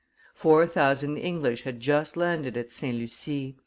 Four thousand English had just landed at St. Lucie; M.